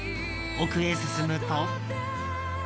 奥へ進むと。